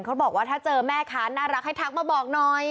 เขาบอกว่าถ้าเจอแม่ค้าน่ารักให้ทักมาบอกหน่อย